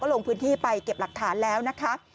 ลงพื้นที่ไปเก็บหลักฐานแล้วนะคะ